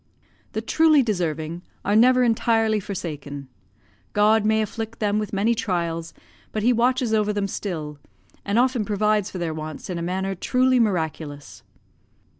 The truly deserving are never entirely forsaken. God may afflict them with many trials, but he watches over them still, and often provides for their wants in a manner truly miraculous.